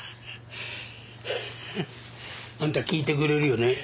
あんた聞いてくれるよね？